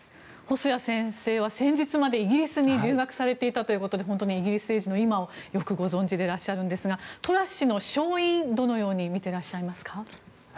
細谷先生は先日までイギリスに留学されていたということで本当にイギリス政治の今をよくご存じでいらっしゃるんですがトラス氏の勝因、どのように見ていらっしゃいますか。